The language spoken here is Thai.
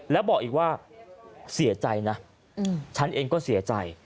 แล้วบอกอีกว่าเสียใจนะฉันเองก็เสียใจ